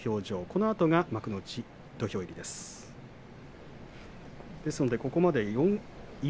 このあと幕内土俵入りです。